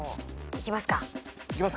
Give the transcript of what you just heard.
いきますか。